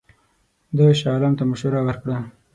ده شاه عالم ته مشوره ورکړه.